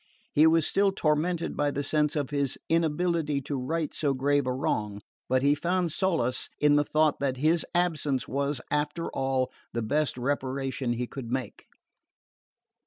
He was still tormented by the sense of his inability to right so grave a wrong; but he found solace in the thought that his absence was after all the best reparation he could make.